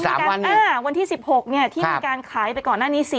ถึง๓วันนี่อ่าวันที่๑๖นี่ที่มีการขายไปก่อนหน้านี้